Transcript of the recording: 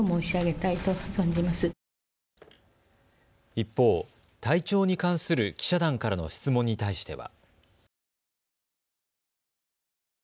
一方、体調に関する記者団からの質問に対しては。